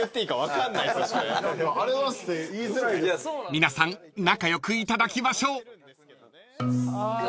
［皆さん仲良くいただきましょう］